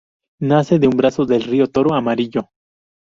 Nace de un brazo del río Toro Amarillo.